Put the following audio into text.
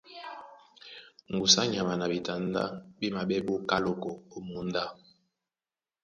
Ŋgusu á nyama na ɓetandá ɓá maɓɛ́ ɓá oká loko ó mǒndá.